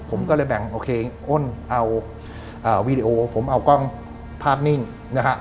ผมก็เลยแบ่งโอเคอ้นเอาวีดีโอผมเอากล้องภาพนิ่งนะฮะ